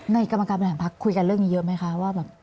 กรรมการบริหารพักคุยกันเรื่องนี้เยอะไหมคะว่าแบบ